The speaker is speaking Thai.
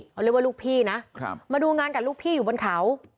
เขาเรียกว่าลูกพี่นะมาดูงานกับลูกพี่อยู่บนเขา